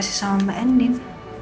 terima kasih sama mbak endin